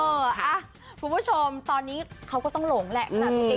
เอออ่าคุณผู้ชมแกต้องหลงแหละ